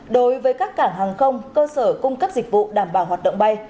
đối với các cảng hàng không cơ sở cung cấp dịch vụ đảm bảo hoạt động bay